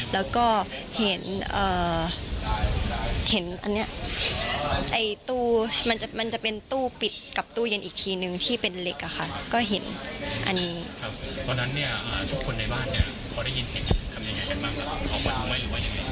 แล้วก็เห็นเห็นอันนี้ไอ้ตู้มันจะมันจะเป็นตู้ปิดกับตู้เย็นอีกทีนึงที่เป็นเล็กอ่ะค่ะก็เห็นอันนี้ตอนนั้นเนี่ยทุกคนในบ้านเนี่ยพอได้ยินเห็น